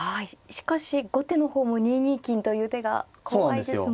しかし後手の方も２二金という手が怖いですが。